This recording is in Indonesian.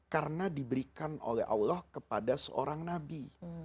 karena diberikan oleh allah kepada seorang nabi